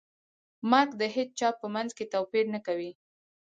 مرګ د هیچا په منځ کې توپیر نه کوي.